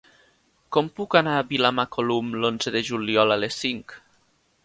Com puc anar a Vilamacolum l'onze de juliol a les cinc?